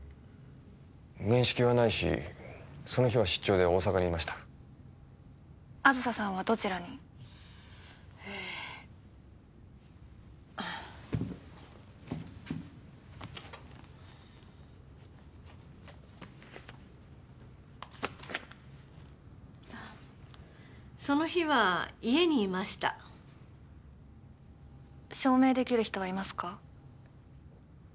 面識はないしその日は出張で大阪にいました梓さんはどちらに？えその日は家にいました証明できる人はいますか？